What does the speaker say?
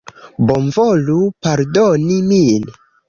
Bonvolu pardoni min!